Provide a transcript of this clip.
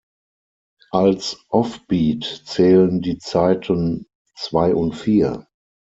Als Offbeat zählen die Zeiten zwei und vier.